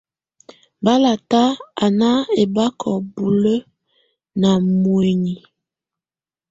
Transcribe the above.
Bàlata á ná ɛbákɔ búlǝ́ ná mǝ́uinyii.